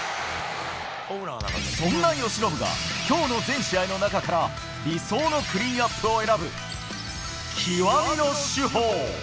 そんな由伸が、きょうの全試合の中から、理想のクリーンアップを選ぶ、極みの主砲。